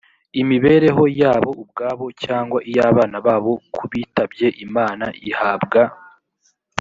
imibereho yabo ubwabo cyangwa iy abana babo kubitabye imana ihabwa